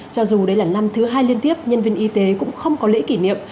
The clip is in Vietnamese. cho dù đây là năm thứ hai liên tiếp nhân viên y tế cũng không có lễ kỷ niệm